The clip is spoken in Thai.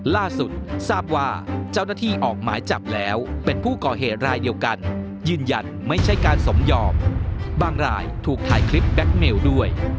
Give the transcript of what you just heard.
ล่าสุดทราบว่าเจ้าหน้าที่ออกหมายจับแล้วเป็นผู้ก่อเหตุรายเดียวกันยืนยันไม่ใช่การสมยอมบางรายถูกถ่ายคลิปแก๊คเมลด้วย